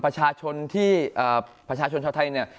ประชาชนที่ประชาชนชาวไทยเนี่ย